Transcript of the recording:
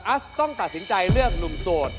ัสต้องตัดสินใจเลือกหนุ่มโสด